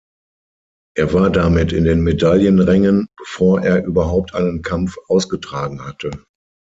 Er war damit in den Medaillenrängen, bevor er überhaupt einen Kampf ausgetragen hatte.